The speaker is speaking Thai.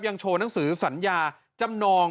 โชว์หนังสือสัญญาจำนอง